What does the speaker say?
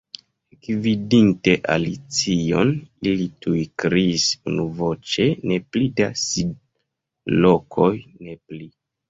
Ekvidinte Alicion, ili tuj kriis unuvoĉe. "Ne pli da sidlokoj, ne pli!"